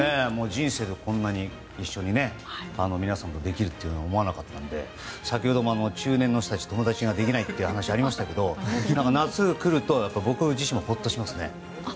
人生でこんなに一緒に皆さんとできるとは思わなかったので先ほども中年の人たち友達ができないという話がありましたけど夏、来ると僕自身もホッとしますね。